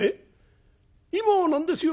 今何ですよ